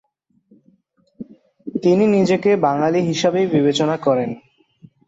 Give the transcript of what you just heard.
তিনি নিজেকে বাঙালি হিসাবেই বিবেচনা করেন।